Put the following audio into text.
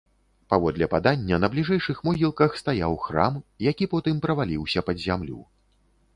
Паводле падання, на бліжэйшых могілках стаяў храм, які потым праваліўся пад зямлю.